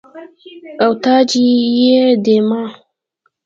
او تاج يي ديما